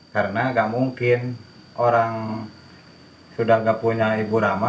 karena gak mungkin orang sudah gak punya ibu rama